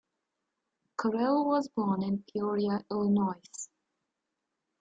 Correll was born in Peoria, Illinois.